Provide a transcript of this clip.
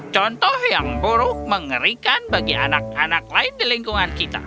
contoh yang buruk mengerikan bagi anak anak lain di lingkungan kita